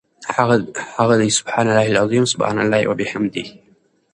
هغه دي سُبْحَانَ اللَّهِ العَظِيمِ، سُبْحَانَ اللَّهِ وَبِحَمْدِهِ .